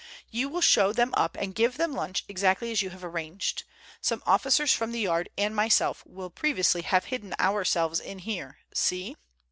You will show them up and give them lunch exactly as you have arranged. Some officers from the Yard and myself will previously have hidden ourselves in here. See?"